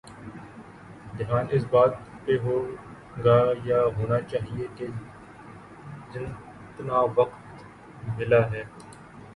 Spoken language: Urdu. دھیان اس بات پہ ہو گا یا ہونا چاہیے کہ جتنا وقت ملا ہے۔